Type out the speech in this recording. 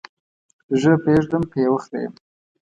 ږیره پرېږدم که یې وخریم؟